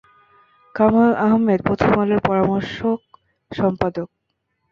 কামাল আহমেদ প্রথম আলোর পরামর্শক সম্পাদক।